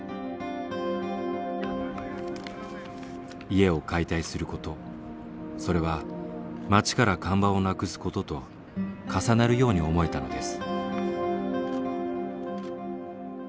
家を解体することそれは町から看板をなくすことと重なるように思えたのです。